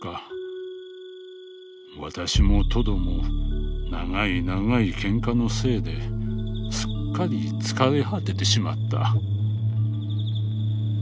私もトドも長い長い喧嘩のせいですっかり疲れ果ててしまった」。